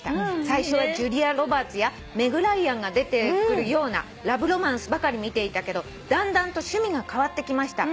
「最初はジュリア・ロバーツやメグ・ライアンが出てくるようなラブロマンスばかり見ていたけどだんだんと趣味が変わってきました」